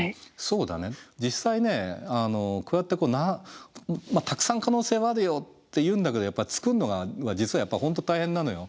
実際ねこうやってたくさん可能性はあるよって言うんだけど作んのが実はやっぱ本当大変なのよ。